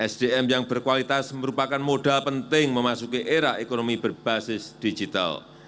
sdm yang berkualitas merupakan modal penting memasuki era ekonomi berbasis digital